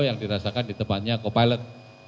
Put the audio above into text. yang dirasakan di tempatnya co pilot